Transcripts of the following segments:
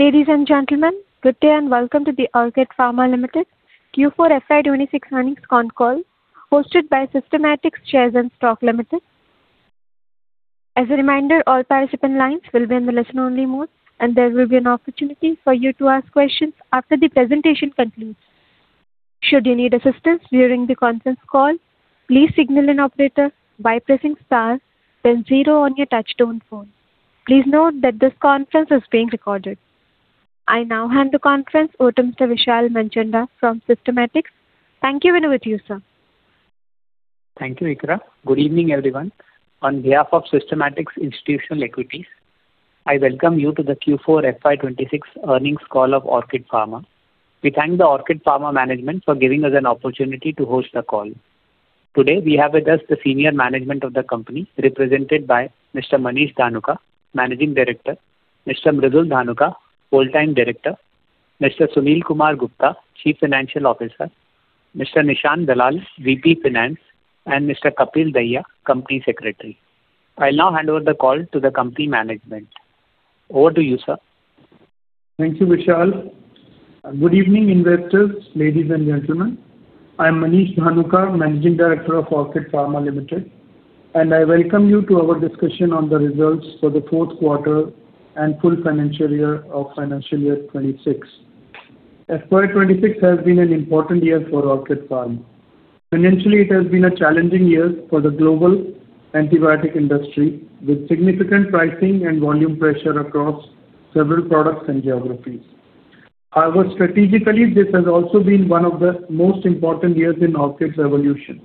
Ladies and gentlemen, good day and welcome to the Orchid Pharma Limited Q4 FY 2026 Earnings Call hosted by Systematix Shares and Stocks Limited. As a reminder, all participant lines will be in listen-only mode, and there will be an opportunity for you to ask questions after the presentation concludes. Should you need assistance during the conference call, please signal an operator by pressing star then zero on your touchtone phone. Please note that this conference is being recorded. I now hand the conference over to Mr. Vishal Manchanda from Systematix. Thank you and over to you, sir. Thank you, Ikra. Good evening, everyone. On behalf of Systematix Institutional Equities, I welcome you to the Q4 FY 2026 earnings call of Orchid Pharma. We thank the Orchid Pharma management for giving us an opportunity to host the call. Today, we have with us the Senior Management of the company represented by Mr. Manish Dhanuka, Managing Director, Mr. Mridul Dhanuka, Whole-time Director, Mr. Sunil Kumar Gupta, Chief Financial Officer, Mr. Nishant Dalal, VP Finance, and Mr. Kapil Dayya, Company Secretary. I now hand over the call to the company management. Over to you, sir. Thank you, Vishal. Good evening, investors, ladies and gentlemen. I'm Manish Dhanuka, Managing Director of Orchid Pharma Limited, and I welcome you to our discussion on the results for the fourth quarter and full financial year of financial year 2026. FY 2026 has been an important year for Orchid Pharma. Financially, it has been a challenging year for the global antibiotic industry, with significant pricing and volume pressure across several products and geographies. However, strategically, this has also been one of the most important years in Orchid's evolution,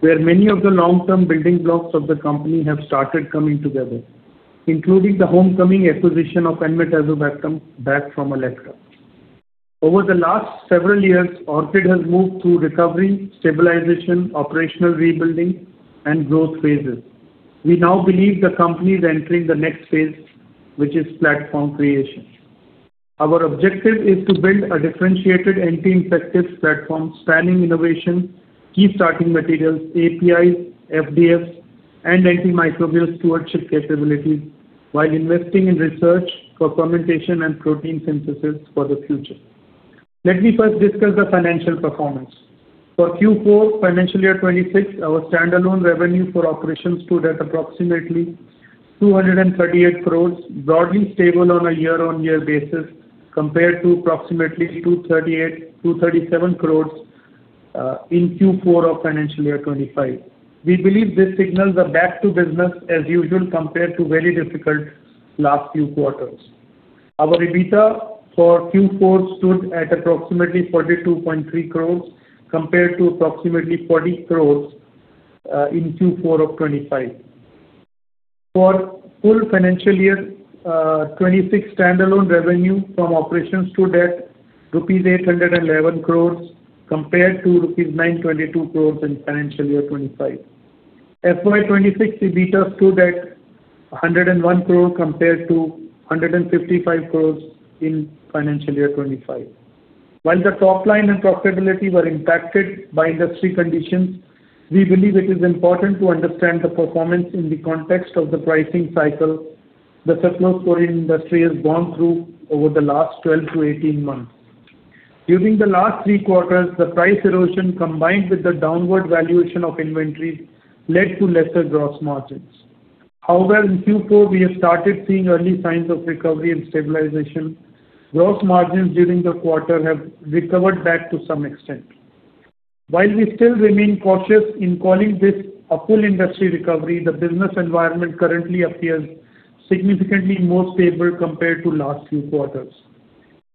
where many of the long-term building blocks of the company have started coming together, including the homecoming acquisition of enmetazobactam back from Allecra. Over the last several years, Orchid has moved through recovery, stabilization, operational rebuilding, and growth phases. We now believe the company is entering the next phase, which is platform creation. Our objective is to build a differentiated anti-infective platform spanning innovation, key starting materials, APIs, FDFs, and antimicrobial stewardship capabilities while investing in research for fermentation and protein synthesis for the future. Let me first discuss the financial performance. For Q4 financial year 2026, our standalone revenue for operations stood at approximately 238 crores, broadly stable on a year-on-year basis compared to approximately 237 crores in Q4 of financial year 2025. We believe this signals are back to business as usual compared to very difficult last few quarters. Our EBITDA for Q4 stood at approximately 42.3 crores compared to approximately 40 crores in Q4 of 2025. For full financial year 2026, standalone revenue from operations stood at rupees 811 crores compared to rupees 922 crores in financial year 2025. FY 2026 EBITDA stood at 101 crore compared to 155 crores in financial year 2025. While the top line and profitability were impacted by industry conditions, we believe it is important to understand the performance in the context of the pricing cycle the sulfonylurea industry has gone through over the last 12-18 months. During the last three quarters, the price erosion, combined with the downward valuation of inventory, led to lesser gross margins. In Q4, we have started seeing early signs of recovery and stabilization. Gross margins during the quarter have recovered that to some extent. While we still remain cautious in calling this a full industry recovery, the business environment currently appears significantly more stable compared to last few quarters.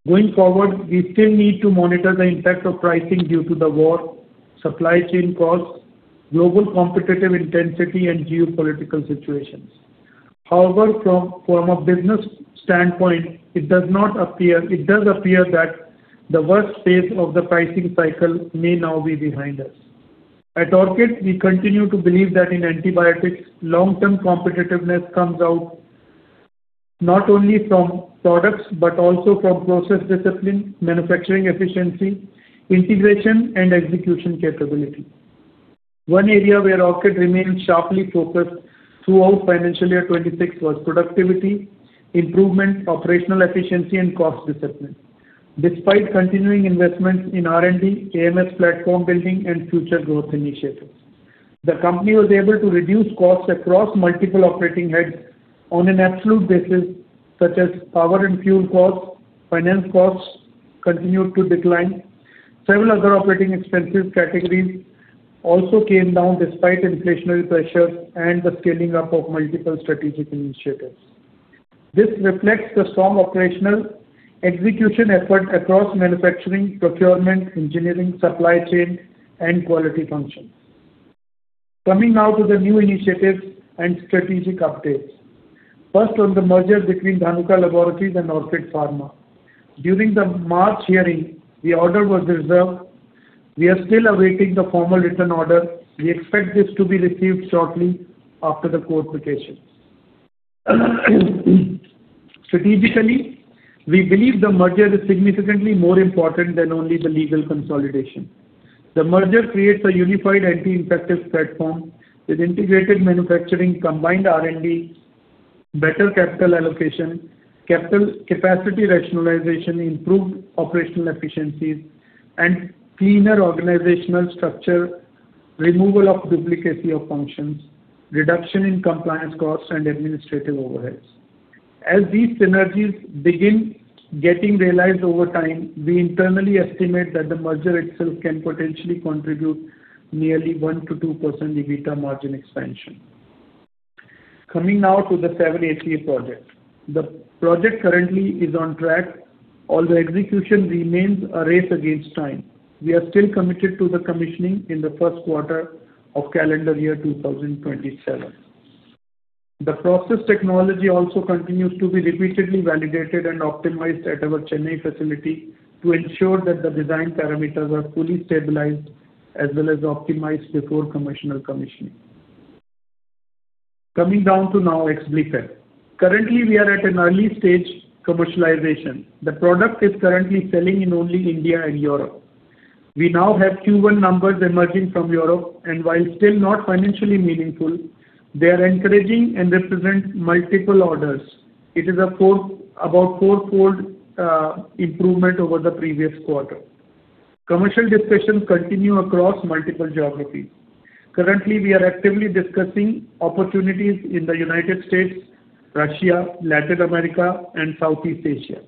Going forward, we still need to monitor the impact of pricing due to the war, supply chain costs, global competitive intensity, and geopolitical situations. However, from a business standpoint, it does appear that the worst phase of the pricing cycle may now be behind us. At Orchid, we continue to believe that in antibiotics, long-term competitiveness comes out not only from products but also from process discipline, manufacturing efficiency, integration, and execution capability. One area where Orchid remained sharply focused throughout financial year 2026 was productivity, improvement, operational efficiency, and cost discipline. Despite continuing investments in R&D, AMS platform building, and future growth initiatives, the company was able to reduce costs across multiple operating heads on an absolute basis, such as power and fuel costs. Finance costs continued to decline. Several other operating expensive categories also came down despite inflationary pressures and the scaling up of multiple strategic initiatives. This reflects the strong operational execution effort across manufacturing, procurement, engineering, supply chain, and quality functions. Coming now to the new initiatives and strategic updates. First on the merger between Dhanuka Laboratories and Orchid Pharma. During the March hearing, the order was reserved. We are still awaiting the formal written order. We expect this to be received shortly after the court vacation. Strategically, we believe the merger is significantly more important than only the legal consolidation. The merger creates a unified anti-infective platform with integrated manufacturing, combined R&D, better capital allocation, capacity rationalization, improved operational efficiencies, and cleaner organizational structure, removal of duplicative functions, reduction in compliance costs and administrative overheads. As these synergies begin getting realized over time, we internally estimate that the merger itself can potentially contribute nearly 1%-2% EBITDA margin expansion. Coming now to the 7-ACA project. The project currently is on track, although execution remains a race against time. We are still committed to the commissioning in the first quarter of calendar year 2027. The process technology also continues to be repeatedly validated and optimized at our Chennai facility to ensure that the design parameters are fully stabilized as well as optimized before commercial commissioning. Coming now to EXBLIFEP. Currently, we are at an early stage of commercialization. The product is currently selling in only India and Europe. We now have Q1 numbers emerging from Europe, and while still not financially meaningful, they are encouraging and represent multiple orders. It is about fourfold improvement over the previous quarter. Commercial discussions continue across multiple geographies. Currently, we are actively discussing opportunities in the United States, Russia, Latin America, and Southeast Asia.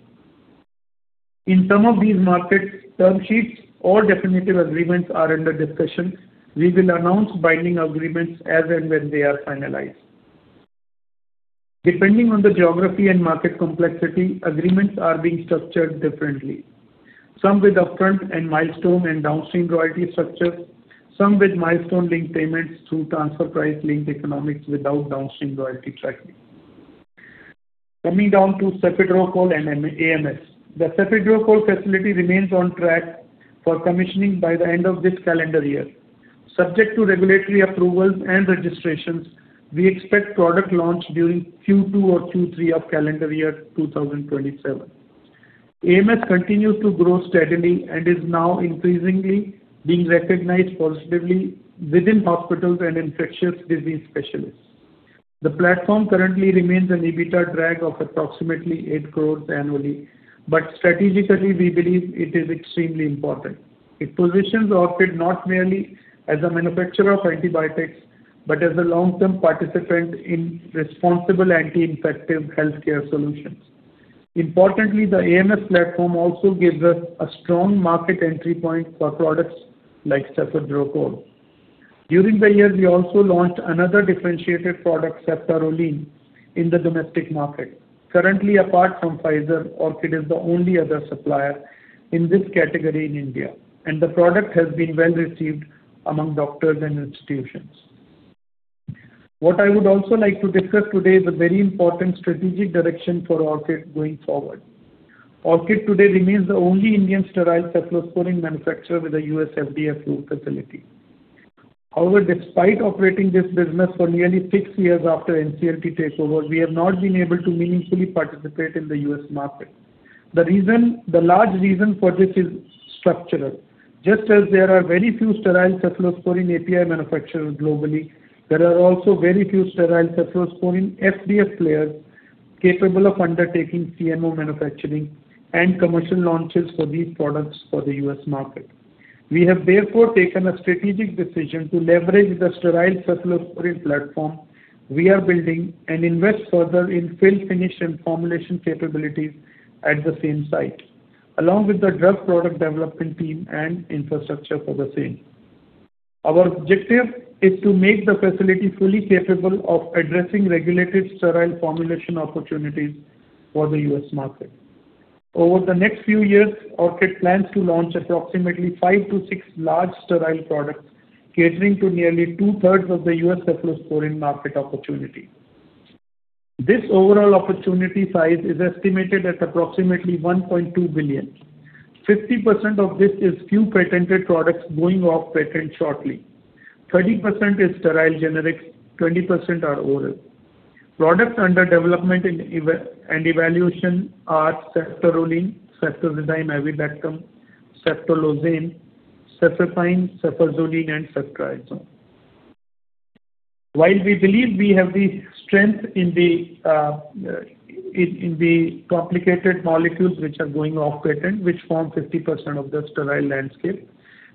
In some of these markets, term sheets or definitive agreements are under discussion. We will announce binding agreements as and when they are finalized. Depending on the geography and market complexity, agreements are being structured differently. Some with upfront and milestone and downstream royalty structures, some with milestone link payments through transfer price link economics without downstream royalty tracking. Coming now to cefiderocol and AMS. The cefiderocol facility remains on track for commissioning by the end of this calendar year. Subject to regulatory approvals and registrations, we expect product launch during Q2 or Q3 of calendar year 2027. AMS continues to grow steadily and is now increasingly being recognized positively within hospitals and infectious disease specialists. The platform currently remains an EBITDA drag of approximately 8 crore annually, but strategically, we believe it is extremely important. It positions Orchid not merely as a manufacturer of antibiotics, but as a long-term participant in responsible anti-infective healthcare solutions. Importantly, the AMS platform also gives us a strong market entry point for products like cefiderocol. During the year, we also launched another differentiated product, ceftaroline, in the domestic market. Currently, apart from Pfizer, Orchid is the only other supplier in this category in India, and the product has been well-received among doctors and institutions. What I would also like to discuss today is a very important strategic direction for Orchid going forward. Orchid today remains the only Indian sterile cephalosporin manufacturer with a U.S. FDA approved facility. However, despite operating this business for nearly six years after NCLT takeover, we have not been able to meaningfully participate in the U.S. market. The large reason for this is structural. Just as there are very few sterile cephalosporin API manufacturers globally, there are also very few sterile cephalosporin FDA players capable of undertaking CMO manufacturing and commercial launches for these products for the U.S. market. We have therefore taken a strategic decision to leverage the sterile cephalosporin platform we are building and invest further in fill-finish and formulation capabilities at the same site, along with the drug product development team and infrastructure for the same. Our objective is to make the facility fully capable of addressing regulated sterile formulation opportunities for the U.S. market. Over the next few years, Orchid plans to launch approximately five to six large sterile products, catering to nearly 2/3 of the U.S. cephalosporin market opportunity. This overall opportunity size is estimated at approximately $1.2 billion. 50% of this is few patented products going off patent shortly. 20% is sterile generics, 20% are oral. Products under development and evaluation are ceftaroline, ceftazidime, avibactam, ceftolozane, cefepime, cefuroxime, and ceftriaxone. While we believe we have the strength in the complicated molecules which are going off patent, which form 50% of the sterile landscape,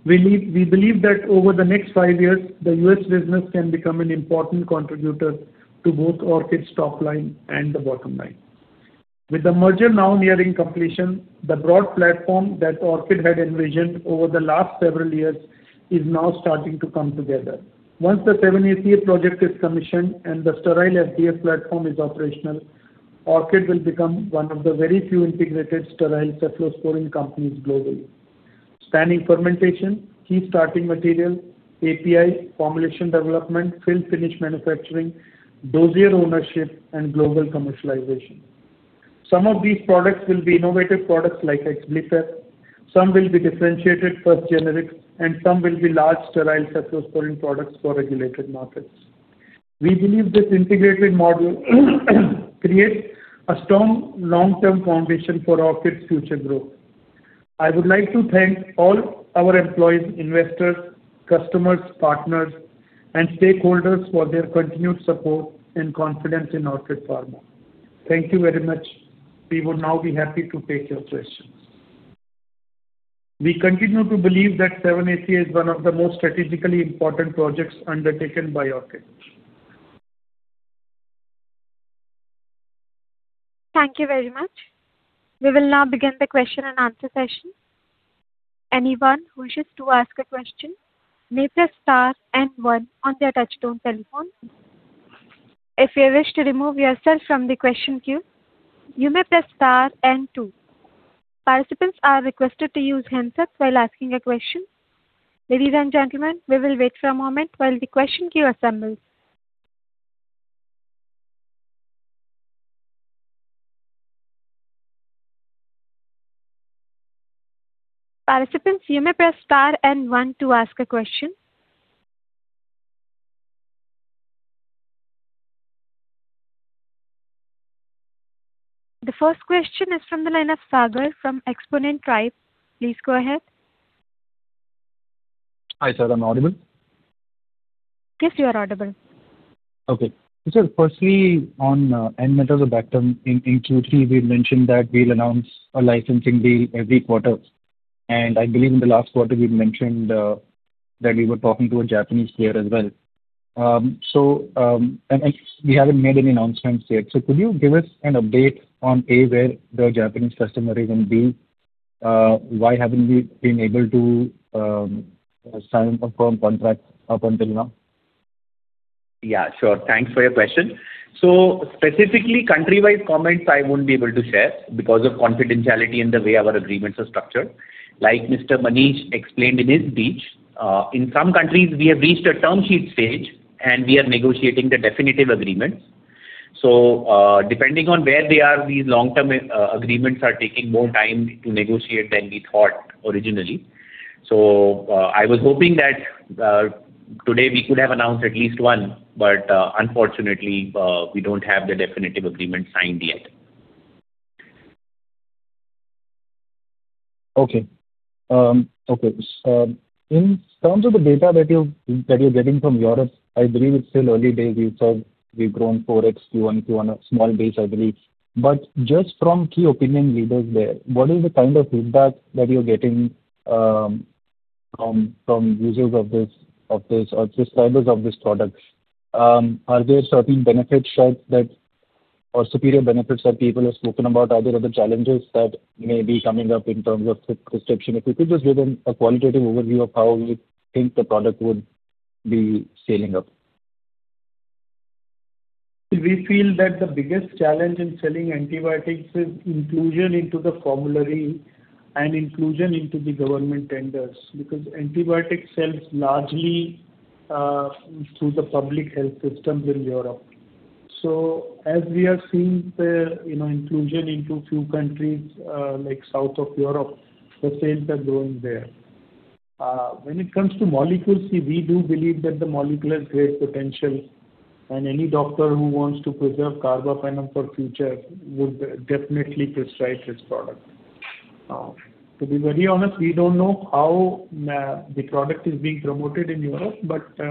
we believe that over the next five years, the U.S. business can become an important contributor to both Orchid's top line and the bottom line. With the merger now nearing completion, the broad platform that Orchid had envisioned over the last several years is now starting to come together. Once the 7-ACA project is commissioned and the sterile FDA platform is operational, Orchid will become one of the very few integrated sterile cephalosporin companies globally, spanning fermentation, key starting materials, APIs, formulation development, film finish manufacturing, dossier ownership, and global commercialization. Some of these products will be innovative products like EXBLIFEP, some will be differentiated first generics, and some will be large sterile cephalosporin products for regulated markets. We believe this integrated model creates a strong long-term foundation for Orchid's future growth. I would like to thank all our employees, investors, customers, partners, and stakeholders for their continued support and confidence in Orchid Pharma. Thank you very much. We will now be happy to take your questions. We continue to believe that 780 is one of the most strategically important projects undertaken by Orchid. Thank you very much. We will now begin the question and answer session. The first question is from the line of Sagar from Xponent Tribe. Please go ahead. I said I'm audible? Yes, you are audible. Okay. Firstly, on enmetazobactam in Q3, we mentioned that we'll announce a licensing deal every quarter, and I believe in the last quarter we mentioned that we were talking to a Japanese player as well. We haven't made any announcements yet. Could you give us an update on, A, where the Japanese customer even be? Why haven't we been able to sign a firm contract up until now? Yeah, sure. Thanks for your question. Specifically countrywide comments I won't be able to share because of confidentiality and the way our agreements are structured. Like Mr. Manish explained in his speech, in some countries, we have reached a term sheet stage, and we are negotiating the definitive agreements. Depending on where they are, these long-term agreements are taking more time to negotiate than we thought originally. I was hoping that today we could have announced at least one, but unfortunately, we don't have the definitive agreement signed yet. Okay. In terms of the data that you're getting from Europe, I believe it's still early days. You said we've grown 4x Q1, a small base, I believe. Just from key opinion leaders there, what is the kind of feedback that you're getting from users of this or subscribers of this product? Are there certain benefits or superior benefits that people have spoken about? Are there other challenges that may be coming up in terms of prescription? If you could just give a qualitative overview of how you think the product would be selling up. We feel that the biggest challenge in selling antibiotics is inclusion into the formulary and inclusion into the government tenders because antibiotics sells largely through the public health systems in Europe. As we are seeing the inclusion into few countries like South of Europe, the sales are going there. When it comes to molecules, we do believe that the molecule has great potential, and any doctor who wants to preserve carbapenem for future would definitely prescribe this product. To be very honest, we don't know how the product is being promoted in Europe, but we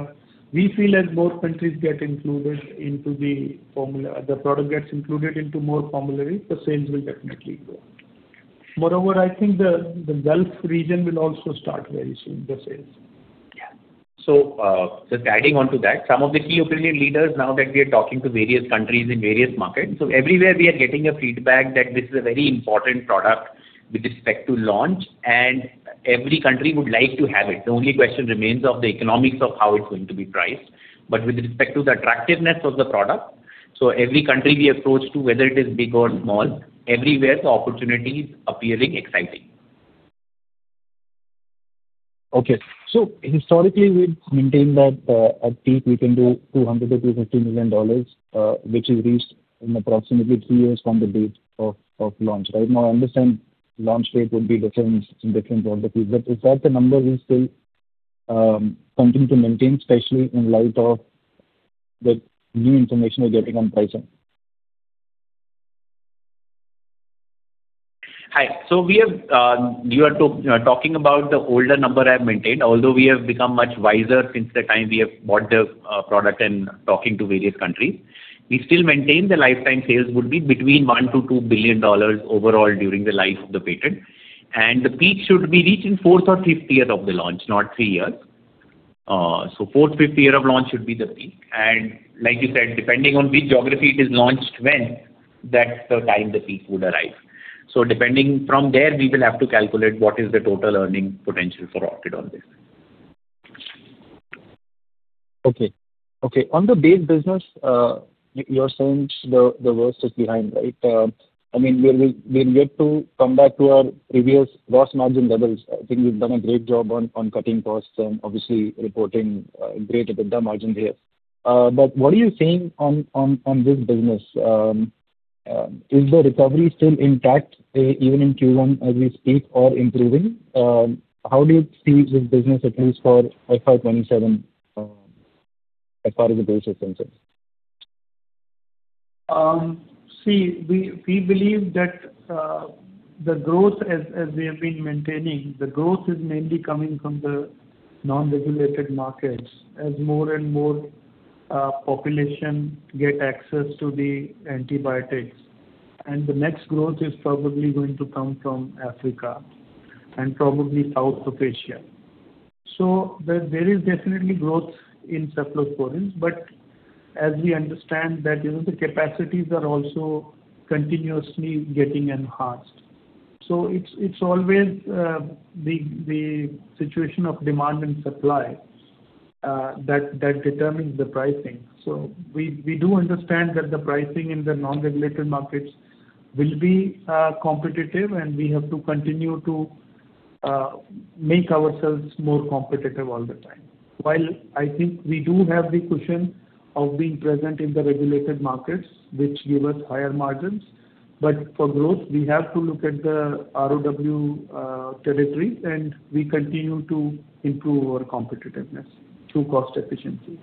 feel as more countries get included into the formulary, the product gets included into more formularies, the sales will definitely grow. Moreover, I think the Gulf region will also start very soon, the sales. Just adding on to that, some of the key opinion leaders now that we are talking to various countries in various markets. Everywhere we are getting a feedback that this is a very important product with respect to launch, and every country would like to have it. The only question remains of the economics of how it's going to be priced. With respect to the attractiveness of the product, so every country we approach to, whether it is big or small, everywhere the opportunity is appearing exciting. Okay. Historically, we've maintained that at peak we can do $200 million-$250 million, which you reached in approximately three years from the date of launch, right? I understand launch date will be different in different geographies, but is that the number we still continue to maintain, especially in light of the new information we're getting on pricing? We are talking about the older number I maintained. Although we have become much wiser since the time we have bought the product and talking to various countries. We still maintain the lifetime sales would be between $1 billion-$2 billion overall during the life of the patent, and the peak should be reached in fourth or fifth year of the launch, not three years. Fourth, fifth year of launch should be the peak. Like you said, depending on which geography it is launched when, that's the time the peak would arrive. Depending from there, we will have to calculate what is the total earning potential for Orchid Pharma on this. Okay. On the base business, you're saying the worst is behind, right? We'll get to come back to our previous gross margin levels. I think we've done a great job on cutting costs and obviously reporting greater EBITDA margin here. What are you seeing on this business? Is the recovery still intact even in Q1 as we speak or improving? How do you see this business, at least for FY 2027 as far as the base is concerned? We believe that the growth as we have been maintaining, the growth is mainly coming from the non-regulated markets as more and more population get access to the antibiotics. The next growth is probably going to come from Africa and probably South Asia. There is definitely growth in cephalosporin, but as we understand that the capacities are also continuously getting enhanced. It's always the situation of demand and supply that determines the pricing. We do understand that the pricing in the non-regulated markets will be competitive, and we have to continue to make ourselves more competitive all the time. I think we do have the cushion of being present in the regulated markets, which give us higher margins, but for growth, we have to look at the ROW territories, and we continue to improve our competitiveness through cost efficiency.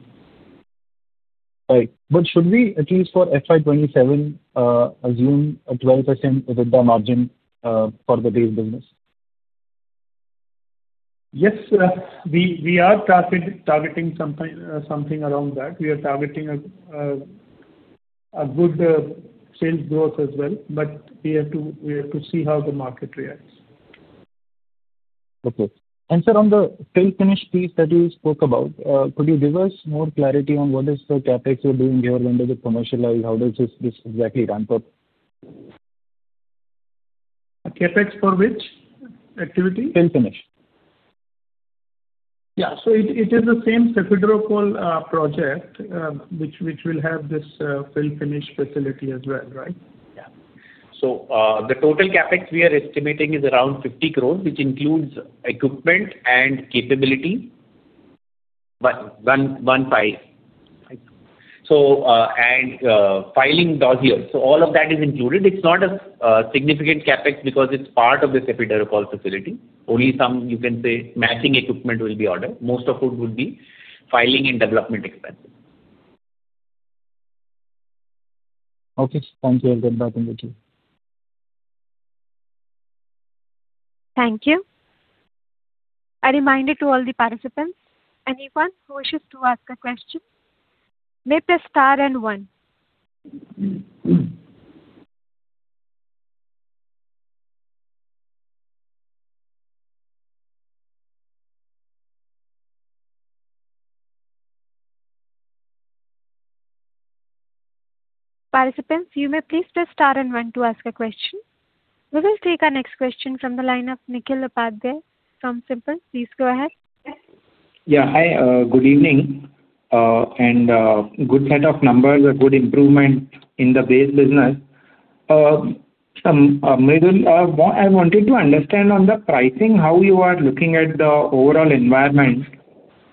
Right. Should we, at least for FY 2027, assume a 12% EBITDA margin for the base business? Yes, we are targeting something around that. We are targeting a good sales growth as well, but we have to see how the market reacts. Okay. Sir, on the fill-finish piece that you spoke about, could you give us more clarity on what is the CapEx you're doing here under the commercial [API]? How does this exactly ramp up? CapEx for which activity? Fill-finish. Yeah. It is the same cephalosporin project which will have this fill-finish facility as well, right? Yeah. The total CapEx we are estimating is around 50 crores, which includes equipment and capability. File. Filing the API. All of that is included. It's not a significant CapEx because it's part of the cephalosporin facility. Only some, you can say, matching equipment will be ordered. Most of it would be filing and development expenses. Okay. Sounds good. Then that will do. Thank you. A reminder to all the participants, anyone who wishes to ask a question, press star and one. Participants, you may please press star and one to ask a question. We will take our next question from the line of Nikhil Padge from Simplex. Please go ahead. Yeah. Hi, good evening. Good set of numbers, a good improvement in the base business. Manish, I wanted to understand on the pricing how you are looking at the overall environment,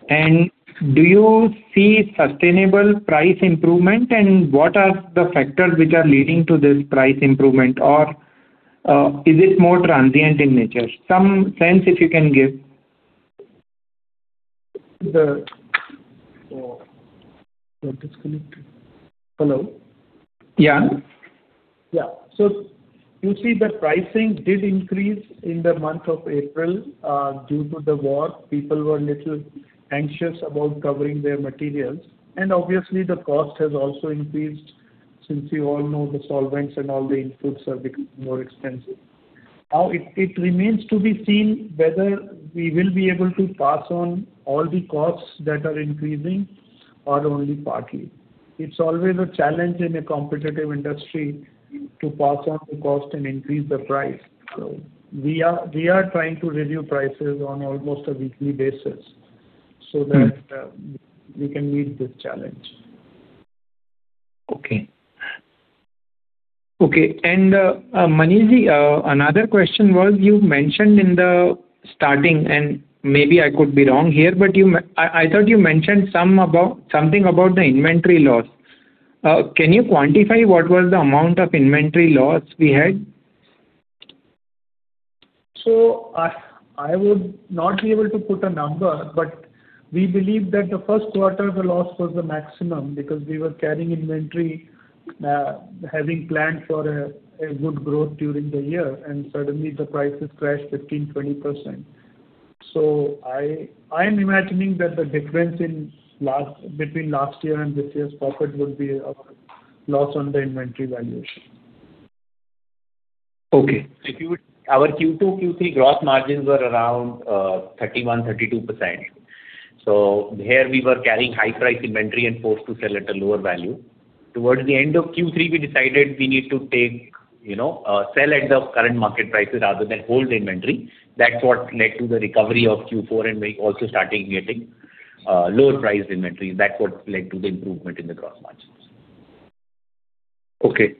and do you see sustainable price improvement, and what are the factors which are leading to this price improvement? Or is it more transient in nature? Some sense that you can give. Got disconnected. Hello. Yeah. Yeah. You see the pricing did increase in the month of April due to the war. People were a little anxious about covering their materials, obviously the cost has also increased since we all know the solvents and all the inputs have become more expensive. It remains to be seen whether we will be able to pass on all the costs that are increasing or only partly. It's always a challenge in a competitive industry to pass on the cost and increase the price. We are trying to review prices on almost a weekly basis so that we can meet this challenge. Okay. Manish, another question was, you mentioned in the starting, and maybe I could be wrong here, but I thought you mentioned something about the inventory loss. Can you quantify what was the amount of inventory loss we had? I would not be able to put a number, but we believe that the first quarter, the loss was the maximum because we were carrying inventory having planned for a good growth during the year, and suddenly the prices crashed 15%, 20%. I'm imagining that the difference between last year and this year's profit would be a loss on the inventory valuation. Okay. Our Q2, Q3 gross margins were around 31%, 32%. Here we were carrying high-price inventory and forced to sell at a lower value. Towards the end of Q3, we decided we need to sell at the current market prices rather than hold the inventory. That's what led to the recovery of Q4 and we also started getting lower-priced inventory. That's what led to the improvement in the gross margins. Okay.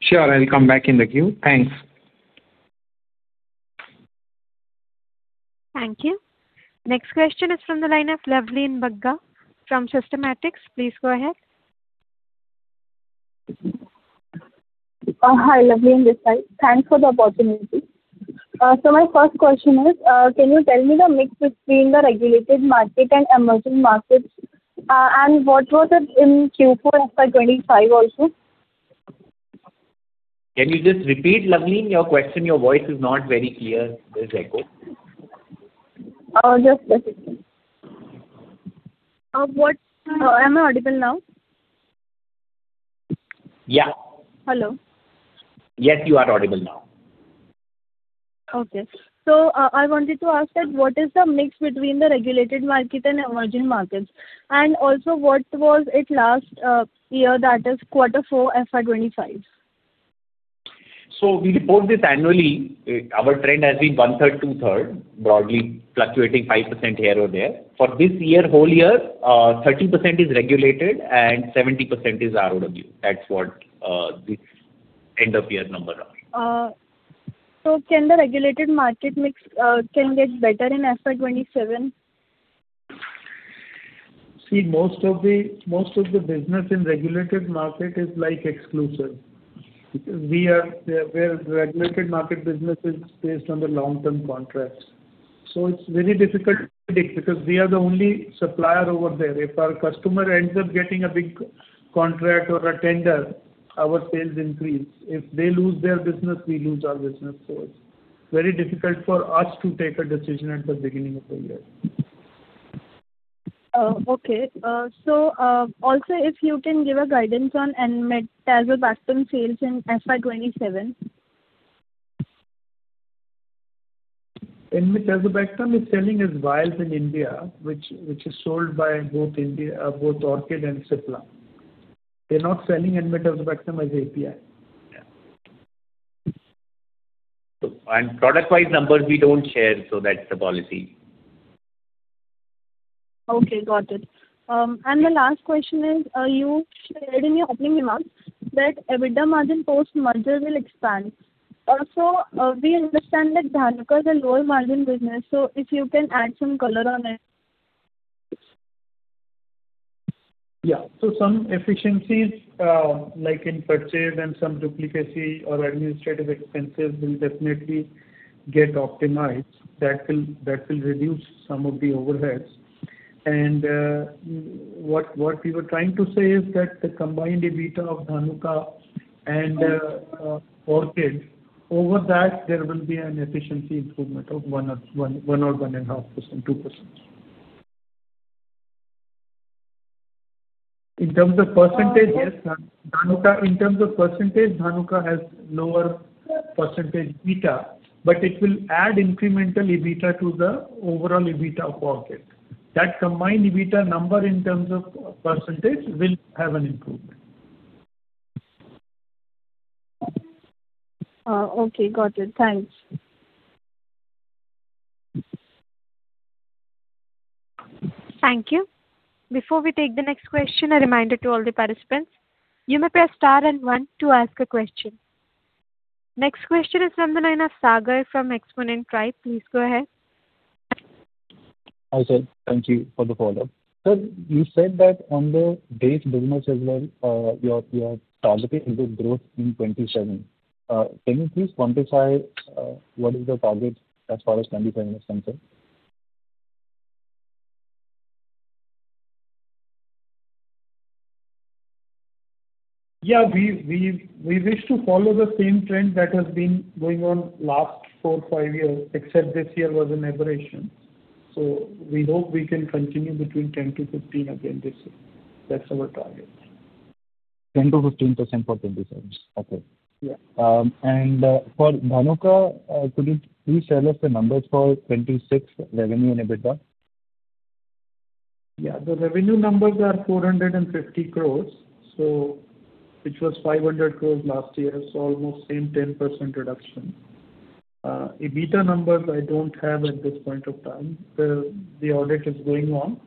Sure. I'll come back in the queue. Thanks. Thank you. Next question is from the line of Lovelin Bagga from Systematix. Please go ahead. Hi, Lovelin this side. Thanks for the opportunity. My first question is, can you tell me the mix between the regulated market and emerging markets, and what was it in Q4 FY 2025 also? Can you just repeat, Lovelin, your question? Your voice is not very clear in the echo. Just a second. Am I audible now? Yeah. Hello. Yes, you are audible now. Okay. I wanted to ask that what is the mix between the regulated market and emerging markets, and also what was it last year, that is quarter four FY 2025? We report this annually. Our trend has been 1/3, 2/3, broadly fluctuating 5% here or there. For this year, whole year, 30% is regulated and 70% is ROW. That's what this end of year number are. Can the regulated market mix get better in FY 2027? Most of the business in regulated market is like exclusive. Regulated market business is based on the long-term contracts. It's very difficult to predict because we are the only supplier over there. If our customer ends up getting a big contract or a tender, our sales increase. If they lose their business, we lose our business source. Very difficult for us to take a decision at the beginning of the year. Okay. Also if you can give us guidance on enmetazobactam sales in FY 2027. Enmetazobactam is selling its vials in India, which is sold by both Orchid and Cipla. They're not selling enmetazobactam as API. Yeah. Product-wise numbers we don't share. That's the policy. Okay, got it. My last question is, you shared in your opening remarks that EBITDA margin post-merger will expand. We understand that Dhanuka is a lower margin business, so if you can add some color on it. Yeah. Some efficiencies like in purchase and some duplicacy or administrative expenses will definitely get optimized. That will reduce some of the overheads. What we were trying to say is that the combined EBITDA of Dhanuka and Orchid, over that, there will be an efficiency improvement of 1% or 1.5%, 2%. In terms of percentage, Dhanuka has lower percentage EBITDA, but it will add incremental EBITDA to the overall EBITDA of Orchid. That combined EBITDA number in terms of percentage will have an improvement. Okay, got it. Thanks. Thank you. Before we take the next question, a reminder to all the participants, you may press star and one to ask a question. Next question is from the line of Sagar from Xponent Tribe. Please go ahead. Hi, Sir. Thank you for the follow-up. Sir, you said that on the base business as well, you are targeting the growth in 2027. Can you please quantify what is the target as far as is concerned? Yeah, we wish to follow the same trend that has been going on last four, five years, except this year was an aberration. We hope we can continue between 10%-15% this year. That's our target. 10%-15% for FY 2027. Okay. Yeah. For Dhanuka, could you please tell us the numbers for FY 2026 revenue and EBITDA? Yeah. The revenue numbers are 450 crores. Which was 500 crores last year. Almost same 10% reduction. EBITDA numbers I don't have at this point of time. The audit is going on.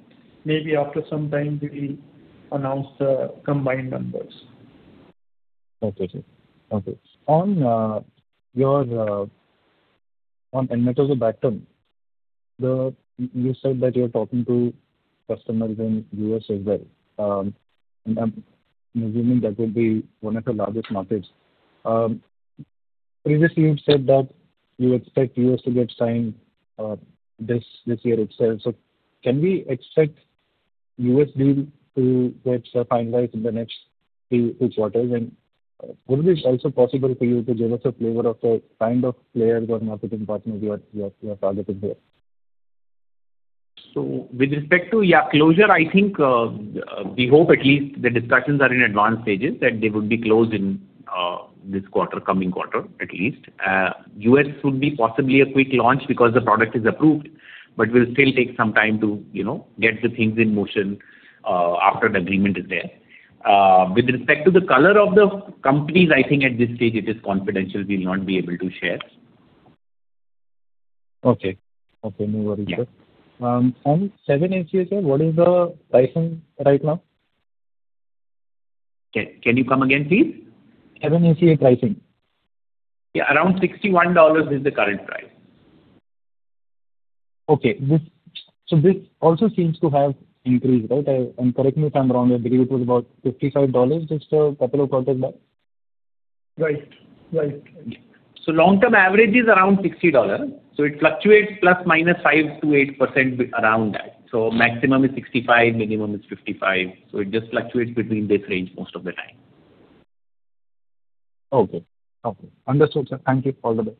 Maybe after some time we'll announce the combined numbers. Okay, Sir. On enmetazobactam, you said that you're talking to customers in U.S. as well, I'm assuming that will be one of the largest markets. Previously, you said that you expect U.S. to get signed this year itself. Can we expect U.S. deal to get finalized in the next few quarters? Would it be also possible for you to give us a flavor of the kind of player or marketing partner you are targeting there? With respect to closure, I think, we hope at least the discussions are in advanced stages, that they would be closed in this quarter, coming quarter, at least. U.S. would be possibly a quick launch because the product is approved, but will still take some time to get the things in motion after the agreement is there. With respect to the color of the companies, I think at this stage it is confidential. We will not be able to share. Okay. No worry, Sir. Yeah. On 7-ACA, what is the pricing right now? Can you come again, please? 7-ACA pricing. Yeah, around $61 is the current price. Okay. This also seems to have increased, right? I'm correctly comprehending. It was about $55 just a couple of quarters back. Right. Long-term average is around $60. It fluctuates ± 5% to ±8% around that. Maximum is $65, minimum is $55. It just fluctuates between this range most of the time. Okay. Understood, Sir. Thank you for the update.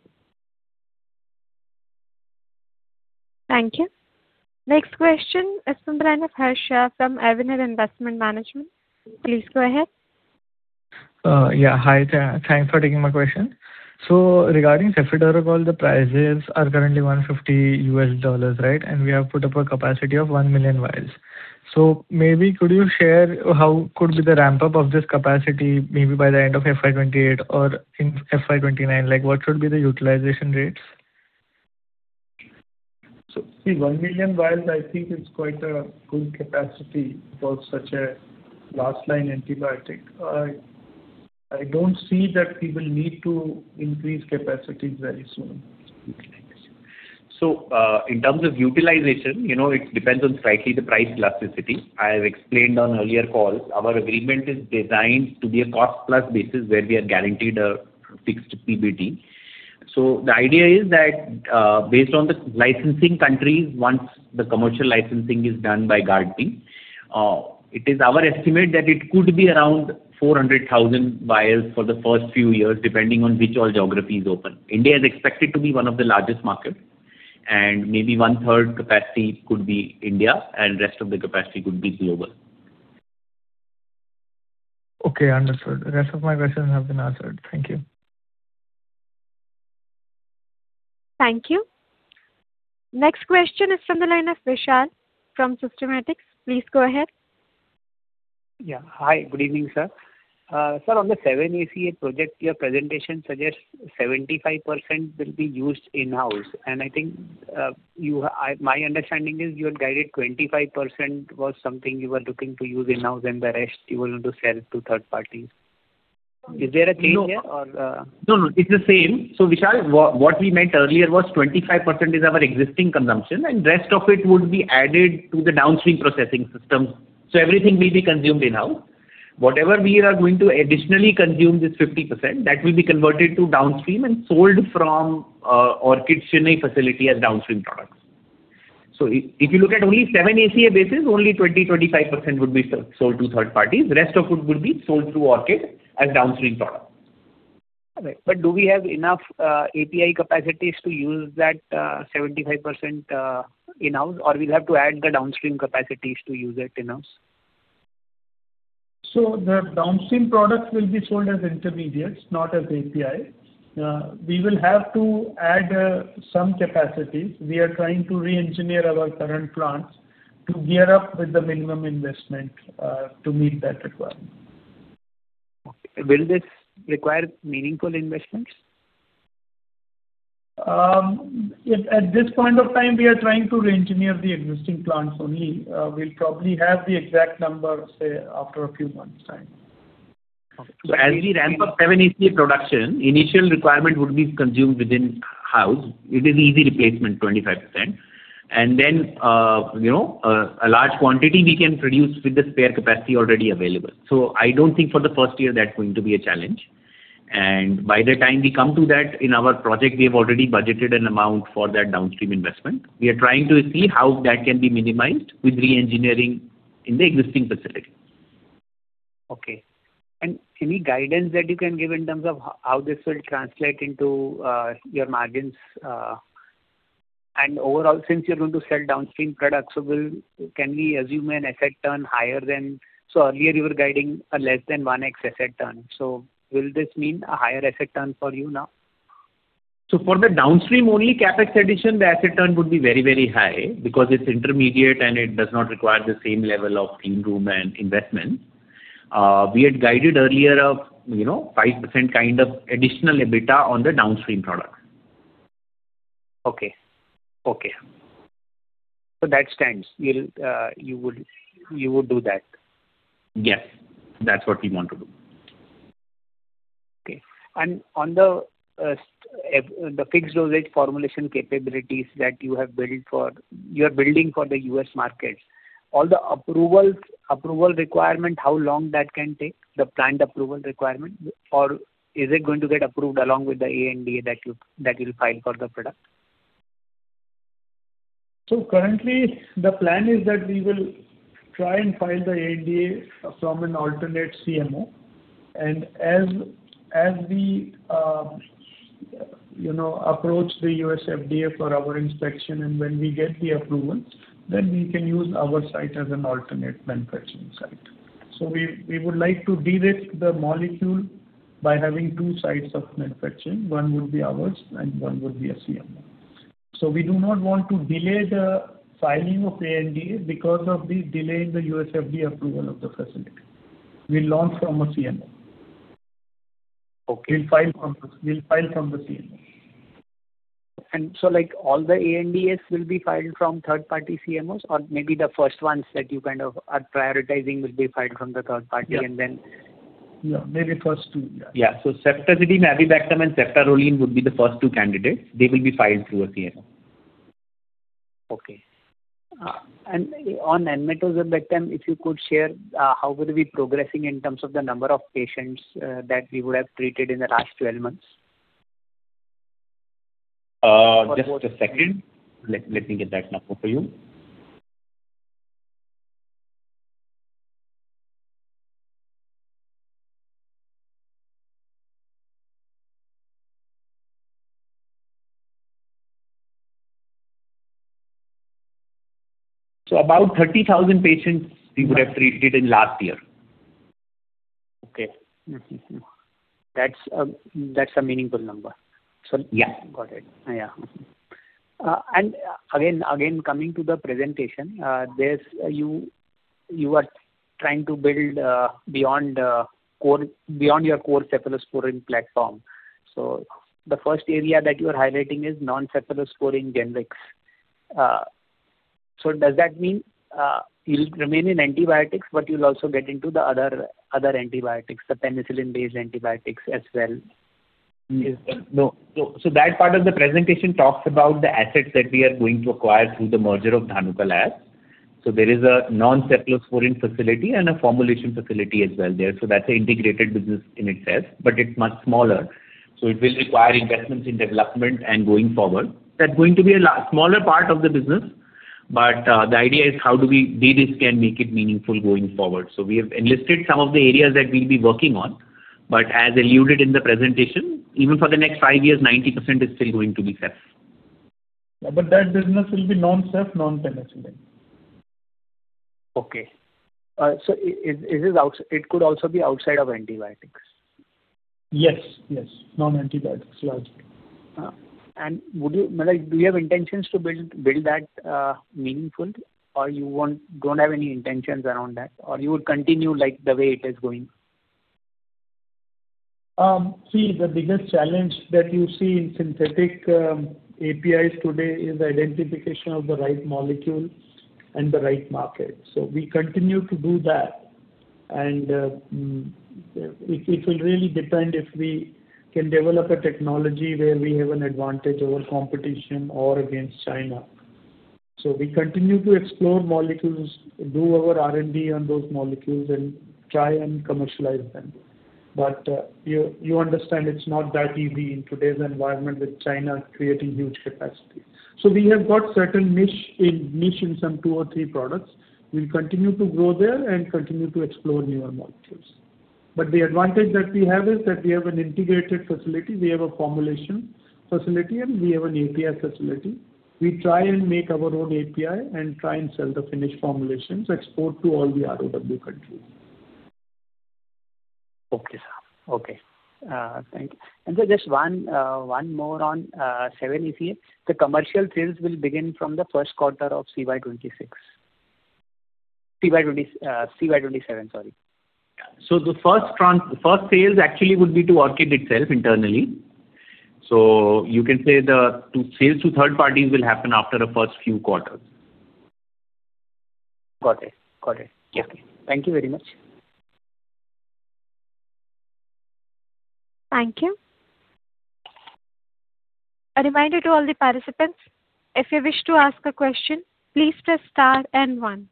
Thank you. Next question is from the line of Harsha from Avaneel Investment Management. Please go ahead. Hi. Thanks for taking my question. Regarding cefiderocol, the prices are currently $150, right? We have put up a capacity of 1, 000,000 vials. Maybe could you share how could be the ramp-up of this capacity maybe by the end of FY 2028 or in FY 2029? What should be the utilization rates? See, 1,000,000 vials I think is quite a good capacity for such a last line antibiotic. I don't see that we will need to increase capacity very soon. In terms of utilization, it depends on slightly the price elasticity. I have explained on earlier calls, our agreement is designed to be a cost plus basis where we are guaranteed a fixed PBT. The idea is that based on the licensing countries, once the commercial licensing is done by GARDP, it is our estimate that it could be around 400,000 vials for the first few years, depending on which all geography is open. India is expected to be one of the largest markets, and maybe one-third capacity could be India, and rest of the capacity could be global. Okay, understood. The rest of my questions have been answered. Thank you. Thank you. Next question is from the line of Vishal from Systematix. Please go ahead. Yeah. Hi, good evening, Sir. Sir, on the 7-ACA project, your presentation suggests 75% will be used in-house. I think my understanding is you had guided 25% was something you were looking to use in-house and the rest you wanted to sell to third parties. Is there a change there? No, it's the same. Vishal, what we meant earlier was 25% is our existing consumption and rest of it would be added to the downstream processing system. Everything will be consumed in-house. Whatever we are going to additionally consume, this 50%, that will be converted to downstream and sold from Orchid Chennai facility as downstream products. If you look at only 7-ACA basis, only 20%-25% would be sold to third parties. Rest of it will be sold to Orchid as downstream products. All right. Do we have enough API capacities to use that 75% in-house or we'll have to add the downstream capacities to use that in-house? The downstream products will be sold as intermediates, not as APIs. We will have to add some capacity. We are trying to reengineer our current plants to gear up with the minimum investment to meet that requirement. Okay. Will this require meaningful investments? At this point of time, we are trying to reengineer the existing plant only. We'll probably have the exact number, say, after a few months time. Okay. As we ramp up 7-ACA production, initial requirement would be consumed within house. It is easy replacement, 25%. Then a large quantity we can produce with the spare capacity already available. I don't think for the first year that's going to be a challenge. By the time we come to that in our project, we have already budgeted an amount for that downstream investment. We are trying to see how that can be minimized with reengineering in the existing facility. Okay. Any guidance that you can give in terms of how this will translate into your margins and overall since you are going to sell downstream products, can we assume an asset turn higher than earlier you were guiding a less than 1x asset turn? Will this mean a higher asset turn for you now? For the downstream only, CapEx addition, the asset turn would be very high because it's intermediate and it does not require the same level of clean room and investment. We had guided earlier a 5% kind of additional EBITDA on the downstream product. Okay. That stands. You would do that. Yes, that's what we want to do. Okay. On the fixed dosage formulation capabilities that you are building for the U.S. market, all the approval requirement, how long that can take, the planned approval requirement or is it going to get approved along with the ANDA that you file for the product? Currently the plan is that we will try and file the ANDA from an alternate CMO and as we approach the U.S. FDA for our inspection and when we get the approval, then we can use our site as an alternate manufacturing site. We would like to de-risk the molecule by having two sites of manufacturing. One will be ours and one will be a CMO. We do not want to delay the filing of the ANDA because of the delay in the U.S. FDA approval of the facility. We'll launch from a CMO. Okay. We'll file from the CMO. All the ANDAs will be filed from third party CMOs or maybe the first ones that you are prioritizing will be filed from the third party Yeah. Maybe first two. Yeah. Ceftazidime, avibactam and ceftaroline would be the first two candidates. They will be filed through a CMO. Okay. On enmetazobactam, if you could share how were we progressing in terms of the number of patients that we would have treated in the last 12 months? Just a second. Let me get that number for you. About 30,000 patients we would have treated in last year. Okay. That's a meaningful number. Yeah. Got it. Again, coming to the presentation, you are trying to build beyond your core cephalosporin platform. The first area that you're highlighting is non-cephalosporin generics. Does that mean you'll remain in antibiotics, but you'll also get into the other antibiotics, the penicillin-based antibiotics as well? No. That part of the presentation talks about the assets that we are going to acquire through the merger of Dhanuka Lab. There is a non-cephalosporin facility and a formulation facility as well there. That's an integrated business in itself, but it's much smaller. It will require investments in development and going forward. That's going to be a smaller part of the business but the idea is how we, de-risk can make it meaningful going forward. We have enlisted some of the areas that we'll be working on, but as alluded in the presentation, even for the next five years, 90% is still going to be ceph. That business will be non-ceph, non-penicillin. Okay. It could also be outside of antibiotics. Yes. Non-antibiotics, largely. Would you, do you have intentions to build that meaningful or you don't have any intentions around that? Would you continue like the way it is going? The biggest challenge that you see in synthetic APIs today is identification of the right molecule and the right market. We continue to do that and it will really depend if we can develop a technology where we have an advantage over competition or against China. We continue to explore molecules, do our R&D on those molecules and try and commercialize them. You understand it's not that easy in today's environment with China creating huge capacity. We have got certain niche in some two or three products. We'll continue to go there and continue to explore newer molecules. The advantage that we have is that we have an integrated facility, we have a formulation facility, and we have an API facility. We try and make our own API and try and sell the finished formulations, export to all the ROW countries. Okay. Thank you. Just one more on 7-ACA. The commercial sales will begin from the first quarter of CY 2026. CY 2027, sorry. The first sales actually would be to Orchid itself internally. You can say the sales to third parties will happen after the first few quarters. Got it. Yeah. Thank you very much. Thank you. A reminder to all the participants, if you wish to ask a question, please press star and 1.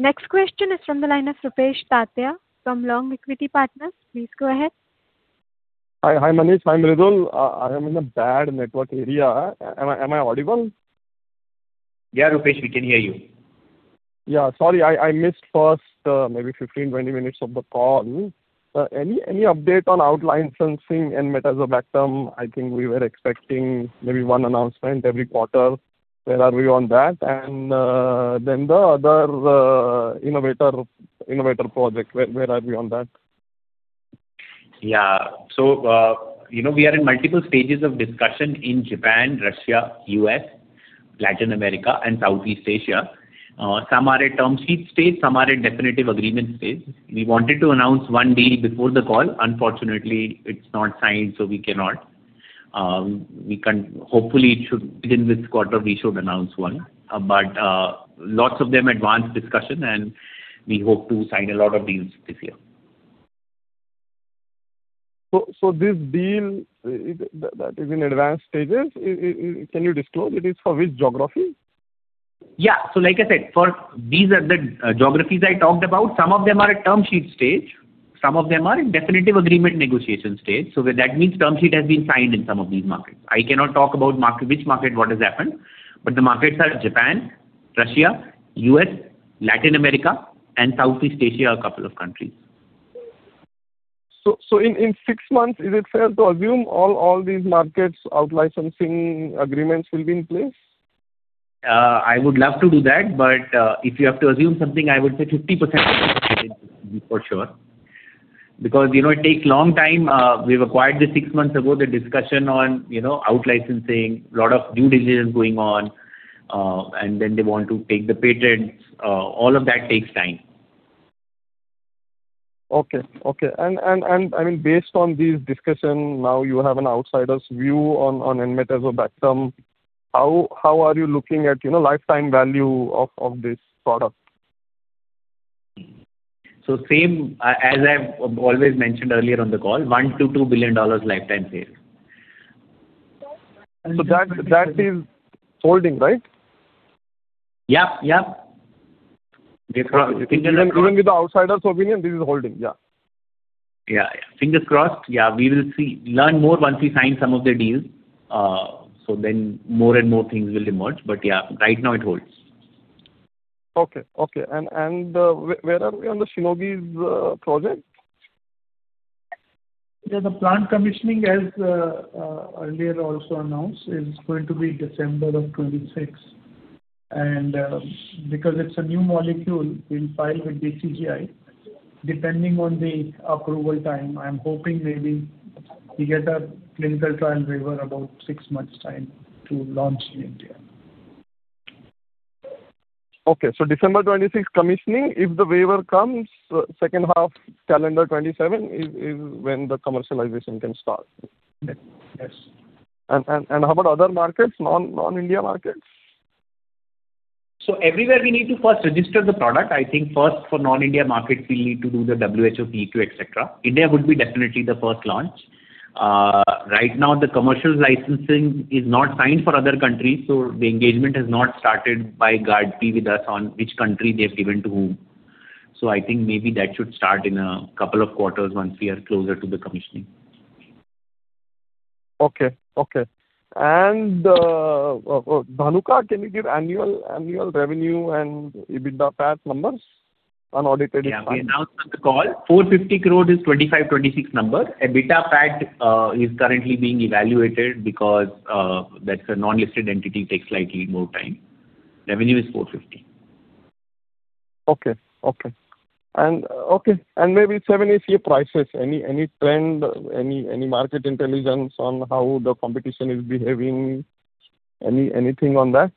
Next question is from the line of Rupesh Tatiya from Long Equity Partners. Please go ahead. Hi Manish. Hi I'm audible?. I am in a bad network area. Am I audible? Yeah, Rupesh, we can hear you. Yeah, sorry. I missed first maybe 15, 20 minutes of the call. Any update on out-licensing enmetazobactam? I think we were expecting maybe one announcement every quarter. Where are we on that? The other innovator project, where are we on that? We are in multiple stages of discussion in Japan, Russia, U.S., Latin America and Southeast Asia. Some are in term sheet stage, some are in definitive agreement stage. We wanted to announce one day before the call. Unfortunately, it's not signed, so we cannot. Hopefully within this quarter we should announce one. Lots of them advanced discussion and we hope to sign a lot of deals this year. This deal that is in advanced stages, can you disclose it is for which geography? Yeah. Like I said, these are the geographies I talked about. Some of them are at term sheet stage. Some of them are in definitive agreement negotiation stage. That means term sheet has been signed in some of these markets. I cannot talk about which market what has happened, but the markets are Japan, Russia, U.S., Latin America and Southeast Asia, a couple of countries. In six months is it fair to assume all these markets outline something, agreements will be in place? I would love to do that but if you have to assume something I would say 50% for sure. It takes a long time. We've acquired this six months ago, the discussion on out-licensing, a lot of due diligence going on, and then they want to take the patents. All of that takes time. Okay. Based on this discussion, now you have an outsider's view on enmetazobactam. How are you looking at lifetime value of this product? Same as I've always mentioned earlier on the call, $1 billion-$2 billion lifetime value. That is holding, right? Yeah. Fingers crossed. Even with the outsider's opinion, this is holding? Yeah. Fingers crossed. We will learn more once we sign some of the deals. More and more things will emerge. Right now it holds. Okay. Where are we on the Shionogi project? The plant commissioning, as earlier also announced, is going to be December of 2026. Because it's a new molecule, we'll file with DCGI, depending on the approval time, I'm hoping maybe we get a clinical trial waiver about six months time to launch in India. Okay, December 26, commissioning. If the waiver comes second half calendar 2027 is when the commercialization can start. Yes. How about other markets, non-India markets? Everywhere we need to first register the product. I think first for non-India market, we need to do the WHO PQ, et cetera. India would be definitely the first launch. Right now, the commercial licensing is not signed for other countries, so the engagement has not started by GARDP with us on which country they've given to whom. I think maybe that should start in a couple of quarters once we are closer to the commissioning. Okay. Dhanuka, can you give annual revenue and EBITDA PAT numbers? Yeah, we announced on the call. 450 crore is FY 2025, FY 2026 number. EBITDA PAT is currently being evaluated because that's a non-listed entity, takes slightly more time. Revenue is INR 450. Okay. Maybe 7-ACA prices. Any trend, any market intelligence on how the competition is behaving? Anything on that?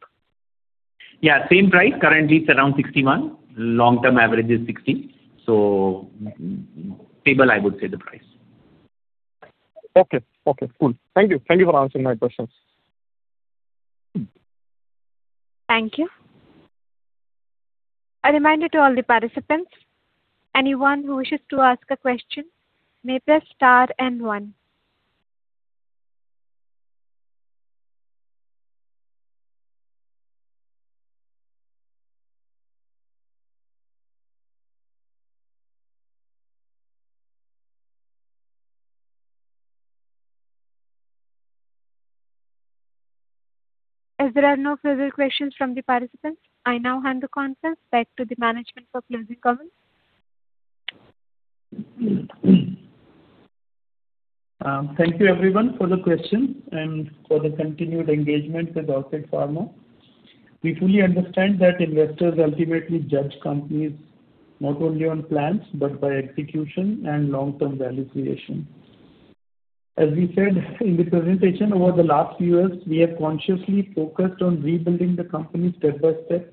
Yeah, same price. Currently, it's around 61. Long-term average is 60. Stable, I would say the price. Okay, cool. Thank you. Thank you for answering my questions. Thank you. A reminder to all the participants, anyone wishes to ask a question may press star and one. As there are no further questions from the participants, I now hand the conference back to the management for closing comments. Thank you everyone for the questions and for the continued engagement with Orchid Pharma. We fully understand that investors ultimately judge companies not only on plans but by execution and long-term value creation. As we said in the presentation, over the last years, we have consciously focused on rebuilding the company step by step,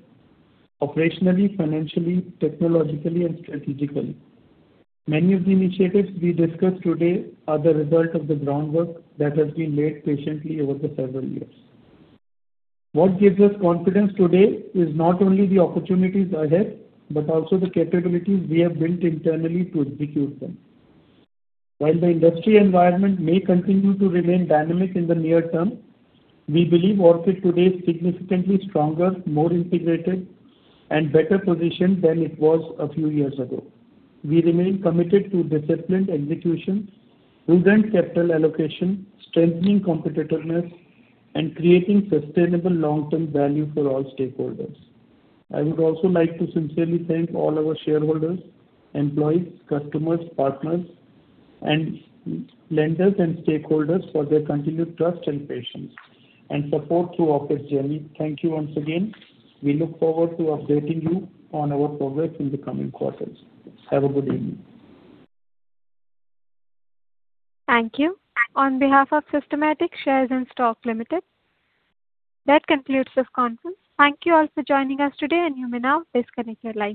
operationally, financially, technologically, and strategically. Many of the initiatives we discussed today are the result of the groundwork that has been laid patiently over the several years. What gives us confidence today is not only the opportunities ahead, but also the capabilities we have built internally to execute them. While the industry environment may continue to remain dynamic in the near term, we believe Orchid today is significantly stronger, more integrated, and better positioned than it was a few years ago. We remain committed to disciplined execution, prudent capital allocation, strengthening competitiveness, and creating sustainable long-term value for all stakeholders. I would also like to sincerely thank all our shareholders, employees, customers, partners, and lenders and stakeholders for their continued trust and patience and support through Orchid's journey. Thank you once again. We look forward to updating you on our progress in the coming quarters. Have a good evening. Thank you. On behalf of Systematix Shares & Stocks Limited. That concludes this conference. Thank you all for joining us today, and you may now disconnect your lines.